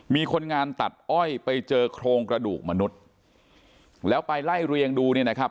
มีคนงานตัดอ้อยไปเจอโครงกระดูกมนุษย์แล้วไปไล่เรียงดูเนี่ยนะครับ